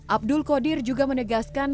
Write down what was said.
abdul kodir juga menegaskan